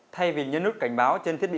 thay vì nhấn nút cảnh báo trên thiết bị